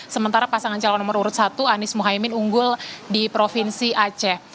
sementara pasangan calon nomor urut satu anies mohaimin unggul di provinsi aceh